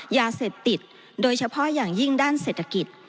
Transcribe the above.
ยาเสพติดโดยเฉพาะอย่างยิ่งด้านเศรษฐกิจ